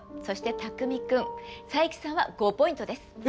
そしてタクミ君佐伯さんは５ポイントです。